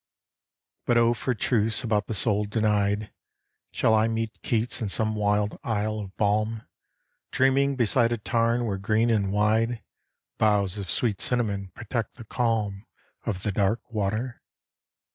But O for truths about the soul denied. Shall I meet Keats in some wild isle of balm, Dreaming beside a tarn where green and wide Boughs of sweet cinnamon protect the calm Of the dark water?